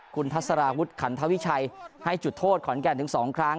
คุณทัศราวุฒิขันทวิชัยให้จุดโทษขอนแก่นถึง๒ครั้ง